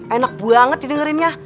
enak banget didengerin ya